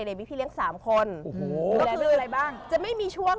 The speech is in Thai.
แล้วคืออะไรบ้าง